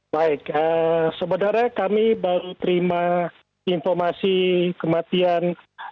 baik sebenarnya kami baru terima informasi kematian